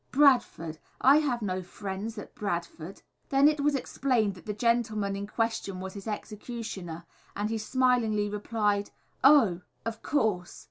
Bradford! I have no friends at Bradford." Then it was explained that the gentleman in question was his executioner, and he smilingly replied, "Oh! of course!"